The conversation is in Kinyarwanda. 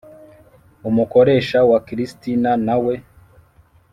Umukoresha wa Christina na we